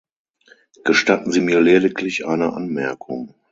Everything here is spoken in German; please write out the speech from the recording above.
Gestatten Sie mir lediglich eine Anmerkung.